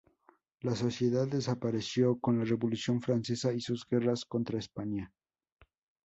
La sociedad desapareció con la Revolución francesa y sus guerras contra España.